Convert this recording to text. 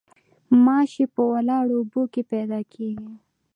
ماشي په ولاړو اوبو کې پیدا کیږي